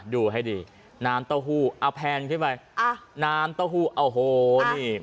ดูให้ดีน้ำเต้าหู้อ่ะแพนใช่ไหมอ่ะน้ำเต้าหู้อ๋อโหนี่